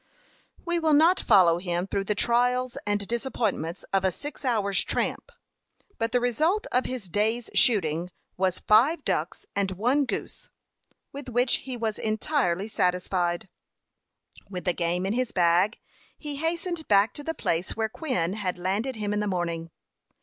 We will not follow him through the trials and disappointments of a six hours' tramp; but the result of his day's shooting was five ducks and one goose, with which he was entirely satisfied. With the game in his bag, he hastened back to the place where Quin had landed him in the morning.